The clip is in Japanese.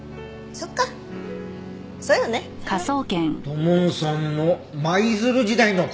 土門さんの舞鶴時代の恋人！？